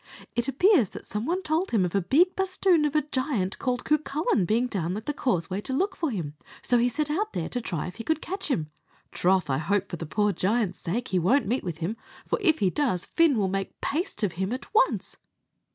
It appears that some one told him of a big basthoon of a giant called Cucullin being down at the Causeway to look for him, and so he set out there to try if he could catch him. Troth, I hope, for the poor giant's sake, he won't meet with him, for if he does, Fin will make paste of him at once."